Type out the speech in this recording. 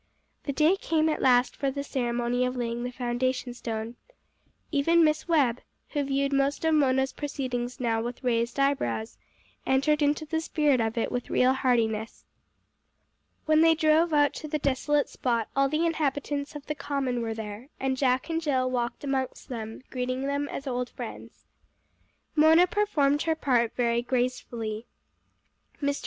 The day came at last for the ceremony of laying the foundation stone. Even Miss Webb, who viewed most of Mona's proceedings now with raised eyebrows, entered into the spirit of it with real heartiness. When they drove out to the desolate spot all the inhabitants of the Common were there, and Jack and Jill walked amongst them, greeting them as old friends. Mona performed her part very gracefully. Mr.